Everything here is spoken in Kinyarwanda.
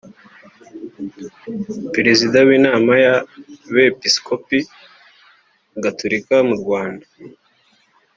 Perezida w’Inama y’Abepiskopi Gatolika mu Rwanda